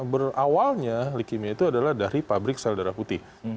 berawalnya leukemia itu adalah dari pabrik sel darah putih